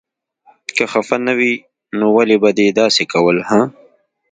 که خفه نه وې نو ولې به دې داسې کول هه.